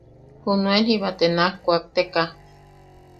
Junuen jiba te na kuakte- ka.